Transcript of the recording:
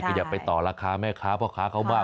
คืออย่าไปต่อราคาแม่ค้าพ่อค้าเขามาก